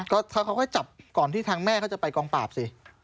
ก็เขาก็จับก่อนที่ทางแม่เขาจะไปกองปราบสิ